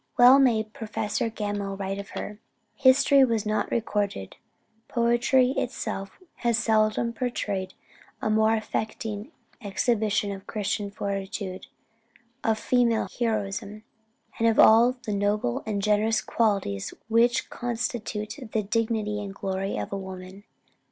Well may Professor Gammell write of her: "History has not recorded, poetry itself has seldom portrayed a more affecting exhibition of Christian fortitude, of female heroism, and of all the noble and generous qualities which constitute the dignity and glory of woman.